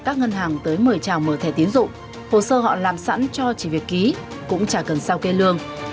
các ngân hàng tới mời trào mở thẻ tiến dụng hồ sơ họ làm sẵn cho chỉ việc ký cũng chả cần sao kê lương